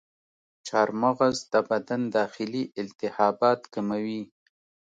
چارمغز د بدن داخلي التهابات کموي.